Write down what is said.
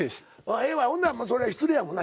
ええわほんならそれは失礼やもんな。